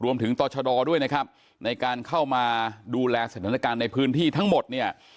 ต่อชะดอด้วยนะครับในการเข้ามาดูแลสถานการณ์ในพื้นที่ทั้งหมดเนี่ย